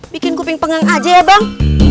bikin kuping pengang aja ya bang